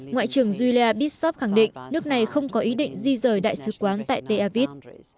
ngoại trưởng julia bitsoft khẳng định nước này không có ý định di rời đại sứ quán tại tel aviv